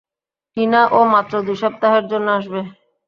টিনা, ও মাত্র দুই সপ্তাহের জন্য আসবে।